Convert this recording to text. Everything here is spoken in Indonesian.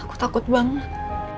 aku takut banget